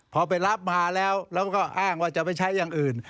พอไปรับมาแล้วแล้วก็อ้างว่าจะไปใช้อย่างอื่น